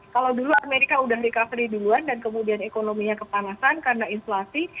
kalau dulu amerika sudah recovery duluan dan kemudian ekonominya kepanasan karena inflasi